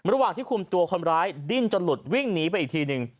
ระหว่างที่คุมตัวคนร้ายดิ้นจนหลุดวิ่งหนีไปอีกทีหนึ่ง